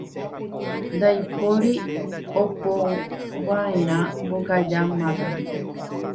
Ndaipóri opova'erã mbokaja mátare.